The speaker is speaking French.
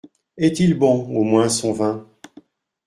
Est-il bon, au moins, son vin ?